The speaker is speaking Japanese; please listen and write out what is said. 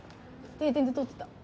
定点で撮ってた。